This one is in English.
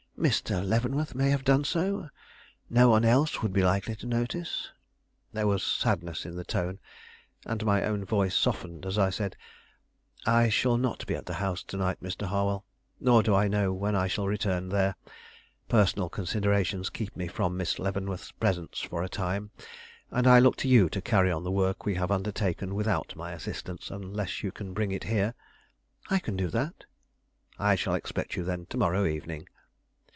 "Mr. Leavenworth may have done so; no one else would be likely to notice." There was sadness in the tone, and my own voice softened as I said: "I shall not be at the house to night, Mr. Harwell; nor do I know when I shall return there. Personal considerations keep me from Miss Leavenworth's presence for a time, and I look to you to carry on the work we have undertaken without my assistance, unless you can bring it here " "I can do that." "I shall expect you, then, to morrow evening."